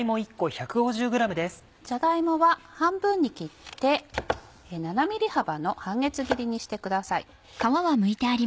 じゃが芋は半分に切って７ｍｍ幅の半月切りにしてください。